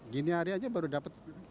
gini hari aja baru dapat empat ribu